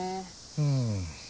うん。